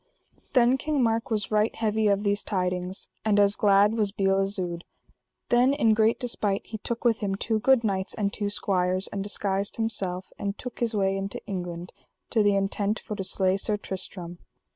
Then King Mark was right heavy of these tidings, and as glad was La Beale Isoud. Then in great despite he took with him two good knights and two squires, and disguised himself, and took his way into England, to the intent for to slay Sir Tristram.